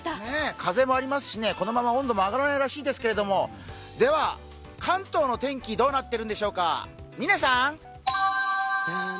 風もありますし、このまま温度も上がらないらしいですがでは、関東の天気、どうなってるでしょうか？